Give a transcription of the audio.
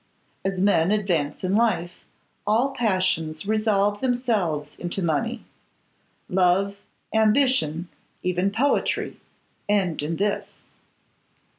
As men advance in life, all passions resolve themselves into money. Love, ambition, even poetry, end in this.